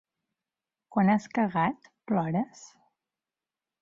Quan has cagat, plores?